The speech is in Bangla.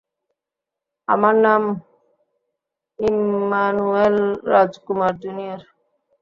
আমার নাম ইমমানুয়েল রাজকুমার জুনিয়র।